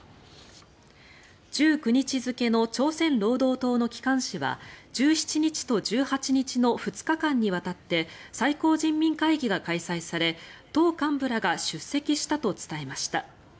１９日付の朝鮮労働党の機関紙は１７日と１８日の２日間にわたって最高人民会議が開催され党幹部らが出席したと伝えました。